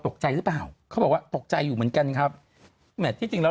ตกใจหรือเปล่าเขาบอกว่าตกใจอยู่เหมือนกันครับแมทที่จริงแล้ว